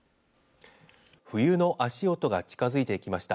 冬の足音が近づいてきました。